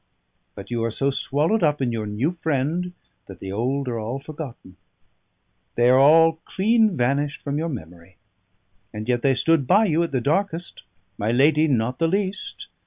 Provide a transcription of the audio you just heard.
But you are so swallowed up in your new friend that the old are all forgotten. They are all clean vanished from your memory. And yet they stood by you at the darkest; my lady not the least.